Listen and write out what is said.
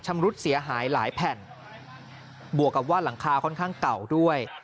รุดเสียหายหลายแผ่นบวกกับว่าหลังคาค่อนข้างเก่าด้วย